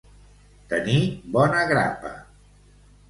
Tenir bona grapa.